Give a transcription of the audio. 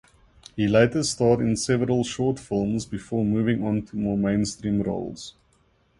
He later starred in several short films before moving on to more mainstream roles.